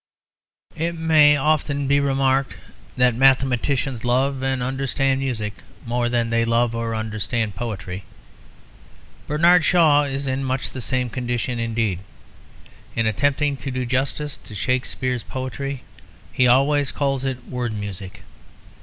It may often be remarked that mathematicians love and understand music more than they love or understand poetry. Bernard Shaw is in much the same condition; indeed, in attempting to do justice to Shakespeare's poetry, he always calls it "word music."